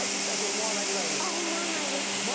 思わないです。